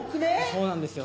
そうなんですよ。